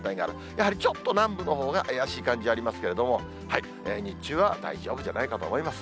やはり、ちょっと南部のほうが怪しい感じありますけれども、日中は大丈夫じゃないかと思います。